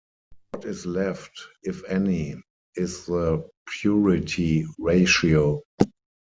What is left, if any, is the 'purity ratio'.